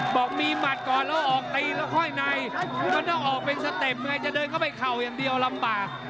บอกมีหมัดก่อนแล้วออกตีแล้วค่อยในมันต้องออกเป็นสเต็ปไงจะเดินเข้าไปเข่าอย่างเดียวลำบาก